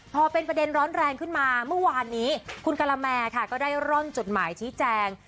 พอเป็นประเด็นร้อนแรงขึ้นมาเมื่อวานนี้คุณกะละแมค่ะก็ได้ร่อนจดหมายชี้แจง